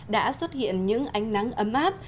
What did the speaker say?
đã xuất hiện những ánh nắng ấm áp